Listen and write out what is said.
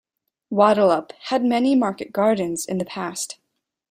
Wattleup had many market gardens in the past.